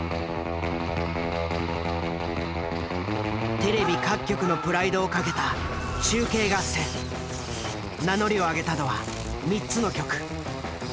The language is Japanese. テレビ各局のプライドを懸けた名乗りを上げたのは３つの局。